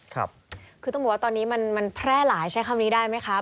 คือต้องบอกว่าตอนนี้มันแพร่หลายใช้คำนี้ได้ไหมครับ